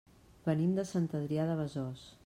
Venim de Sant Adrià de Besòs.